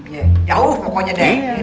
iya jauh pokoknya deh